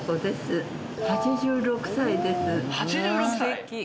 ８６歳！？